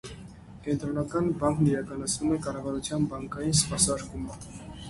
Կենտրոնական բանկն իրականացնում է կառավարության բանկային սպասարկումը։